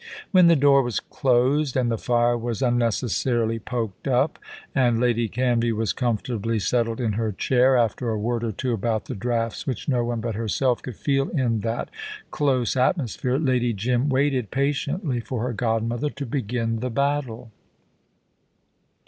When the door was closed, and the fire was unnecessarily poked up, and Lady Canvey was comfortably settled in her chair, after a word or two about the draughts which no one but herself could feel in that close atmosphere, Lady Jim waited patiently for her godmother to begin the battle.